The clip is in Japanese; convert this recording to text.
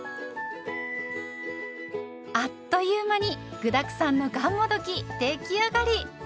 あっという間に具だくさんのがんもどき出来上がり。